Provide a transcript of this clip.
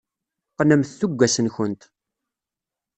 Qqnemt tuggas-nkent.